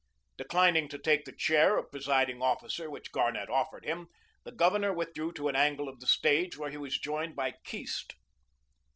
Declining to take the chair of presiding officer which Garnett offered him, the Governor withdrew to an angle of the stage, where he was joined by Keast.